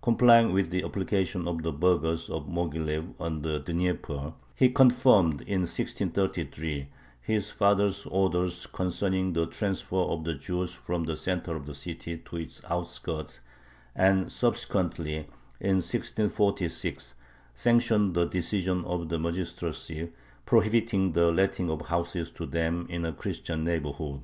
Complying with the application of the burghers of Moghilev on the Dnieper, he confirmed, in 1633, his father's orders concerning the transfer of the Jews from the center of the city to its outskirts, and subsequently, in 1646, sanctioned the decision of the magistracy prohibiting the letting of houses to them in a Christian neighborhood.